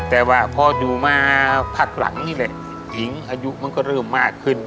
แต่ว่าพออยู่มาพักหลังนี่แหละหญิงอายุมันก็เริ่มมากขึ้น